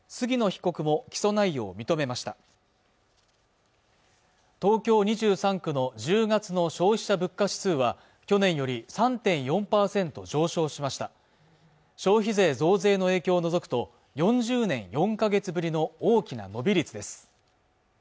被告も起訴内容を認めました東京２３区の１０月の消費者物価指数は去年より３．４％上昇しました消費税増税の影響を除くと４０年４か月ぶりの大きな伸び率です